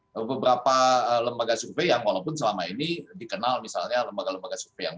beberapa lembaga survei yang walaupun selama ini dikenal misalnya lembaga lembaga survei yang